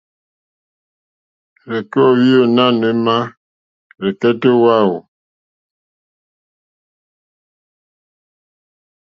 Rzeke o ohwi nanù ema rzekɛtɛ o wa e?